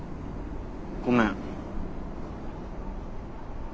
ごめん。